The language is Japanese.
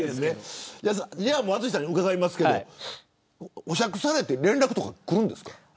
淳さんに伺いますけど保釈されて連絡とかくるんですか。